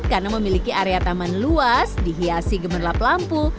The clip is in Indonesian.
karena memiliki area taman luas dihiasi gemerlap lampu